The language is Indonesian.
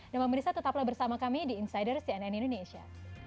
nah pak merissa tetaplah bersama kami di insider cnn indonesia